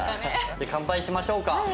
じゃあ乾杯しましょうか。